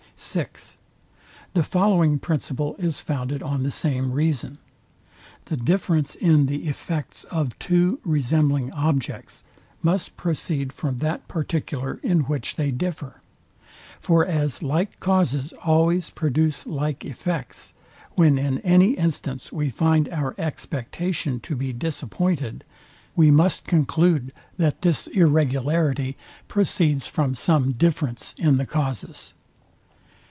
(6) The following principle is founded on the same reason. The difference in the effects of two resembling objects must proceed from that particular, in which they differ. For as like causes always produce like effects, when in any instance we find our expectation to be disappointed, we must conclude that this irregularity proceeds from some difference in the causes.